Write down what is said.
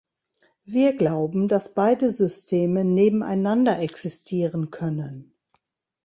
Wir glauben, dass beide Systeme nebeneinander existieren können.